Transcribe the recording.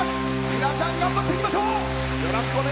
皆さん、頑張っていきましょう！